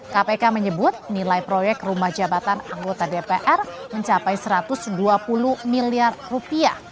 kpk menyebut nilai proyek rumah jabatan anggota dpr mencapai satu ratus dua puluh miliar rupiah